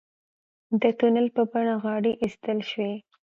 د تونل په بڼه غارې ایستل شوي.